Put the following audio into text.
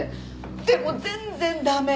でも全然駄目！